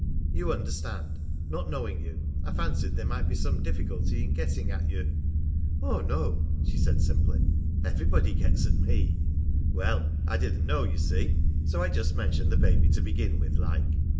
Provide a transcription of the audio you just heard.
You understand, not knowing you, I fancied there might be some difficulty in getting at you " "Oh, no!" she said simply. "Everybody gets at me." "Well, I didn't know, you see. So I just mentioned the baby to begin with, like!"